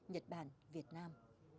nhật bản việt nam